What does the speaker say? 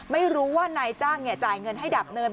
ไม่รู้ว่านายจ้างจ่ายเงินให้ดับเนิน